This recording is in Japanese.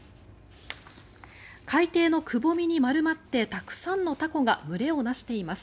海底のくぼみに丸まってたくさんのタコが群れをなしています。